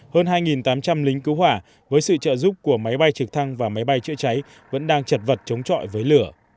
hơn hai tám trăm linh lính cứu hỏa với sự trợ giúp của máy bay trực thăng và máy bay chữa cháy vẫn đang chật vật chống trọi với lửa